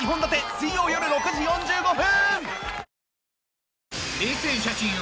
水曜よる６時４５分。